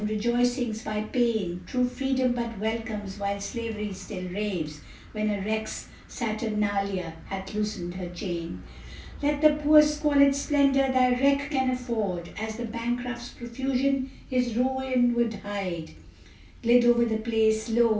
rejoicings by Pain! True Freedom but welcomes, while slavery still raves, When a week's Saturnalia hath loosened her chain. Let the poor squalid splendor thy wreck can afford (As the bankrupt's profusion his ruin would hide) Gild over the palace. Lo!